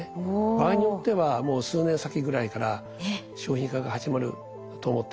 場合によってはもう数年先ぐらいから商品化が始まると思ってます。